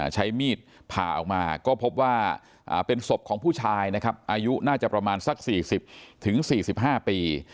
ใช้มีดผ่าออกมาก็พบว่าเป็นศพของผู้ชายนะครับอายุน่าจะประมาณสักสี่สิบถึงสี่สิบห้าปี